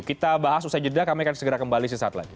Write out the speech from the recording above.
kita bahas usai jeda kami akan segera kembali sesaat lagi